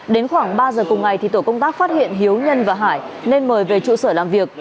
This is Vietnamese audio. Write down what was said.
đến khoảng ba giờ cùng ngày tổ công tác phát hiện hiếu nhân và hải nên mời về trụ sở làm việc